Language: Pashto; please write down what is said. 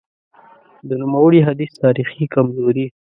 د نوموړي حدیث تاریخي کمزوري :